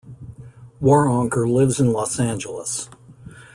Waronker lives in Los Angeles.